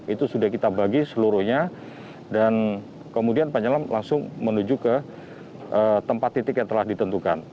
itu sudah kita bagi seluruhnya dan kemudian penyelam langsung menuju ke tempat titik yang telah ditentukan